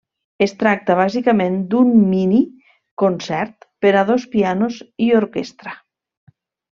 Es tracta bàsicament d'un mini concert per a dos pianos i orquestra.